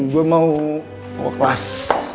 gue mau kelas